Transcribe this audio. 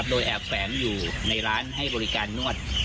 โดยแอบแฝงอยู่ในร้านให้บริการนวด